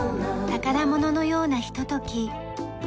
宝物のようなひととき。